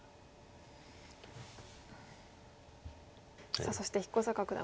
さあそして彦坂九段